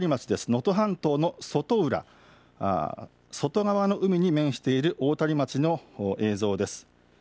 能登半島の外浦、外側の海に面している大谷町の映像です。